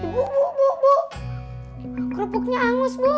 bu bu bu bu kerupuknya angus bu